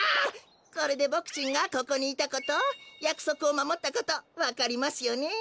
これでボクちんがここにいたことやくそくをまもったことわかりますよね。